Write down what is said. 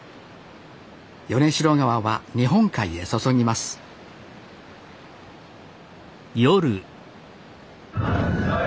米代川は日本海へ注ぎますワッショイ！